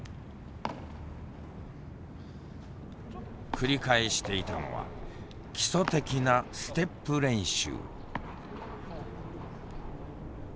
繰り返していたのは基礎的なステップ練習。